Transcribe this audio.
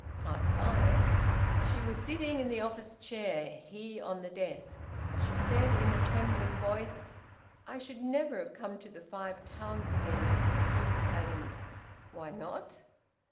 FIVE. She was sitting in the office chair; he on the desk. She said in a trembling voice "I should never have come to the Five Towns again, if you hadn't " "Why not?"